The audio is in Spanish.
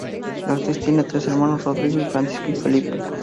La actriz tiene tres hermanos; Rodrigo, Francisca y Felipe.